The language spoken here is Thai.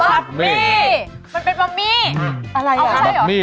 แซ็บอีหลี